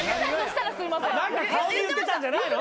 何か顔で言ってたんじゃないの？